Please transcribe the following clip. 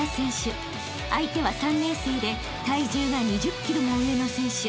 ［相手は３年生で体重が２０ｋｇも上の選手］